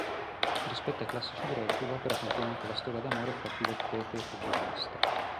Rispetto ai classici greci, l'opera contiene anche la storia d'amore tra Filottete e Giocasta.